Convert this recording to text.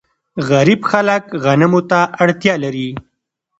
غریب خلک غنمو ته اړتیا لري.